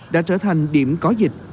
đã trở thành điểm có dịch